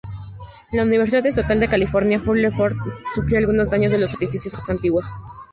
La Universidad Estatal de California Fullerton sufrió algunos daños en los edificios más antiguos.